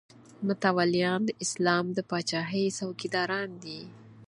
متولیان د اسلام د پاچاهۍ څوکیداران دي.